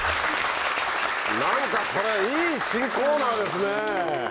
何かこれいい新コーナーですね。